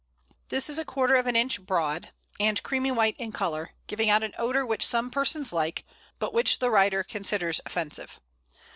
This is a quarter of an inch broad, and creamy white in colour, giving out an odour which some persons like, but which the writer considers offensive.